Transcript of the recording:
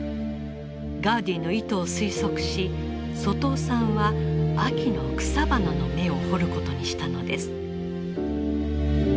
ガウディの意図を推測し外尾さんは秋の草花の芽を彫ることにしたのです。